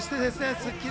『スッキリ』